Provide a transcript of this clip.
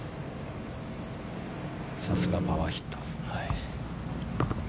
さすがパワーヒッター。